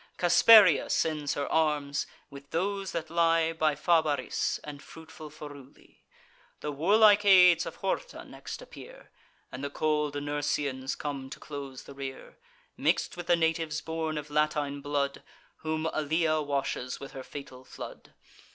Casperia sends her arms, with those that lie By Fabaris, and fruitful Foruli: The warlike aids of Horta next appear, And the cold Nursians come to close the rear, Mix'd with the natives born of Latine blood, Whom Allia washes with her fatal flood.